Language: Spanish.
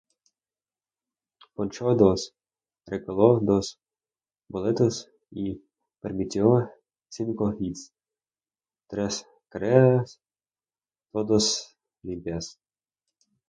Ponchó a dos, regaló dos boletos y permitió cinco hits, tres carreras, todos limpias.